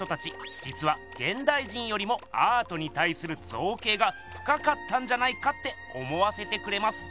じつはげんだい人よりもアートにたいするぞうけいがふかかったんじゃないかって思わせてくれます。